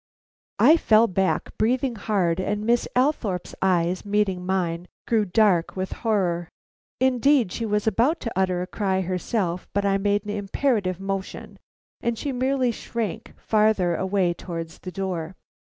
I fell back breathing hard, and Miss Althorpe's eyes, meeting mine, grew dark with horror. Indeed she was about to utter a cry herself, but I made an imperative motion, and she merely shrank farther away towards the door.